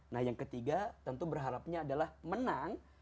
nah yang ketiga tentu berharapnya adalah menang